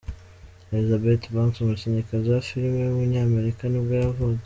Elizabeth Banks, umukinnyikazi wa filime w’umunyamerika nibwo yavutse.